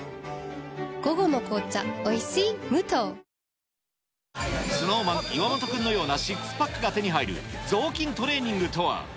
午後の紅茶おいしい無糖ＳｎｏｗＭａｎ・岩本君のようなシックスパックが手に入る、雑巾トレーニングとは。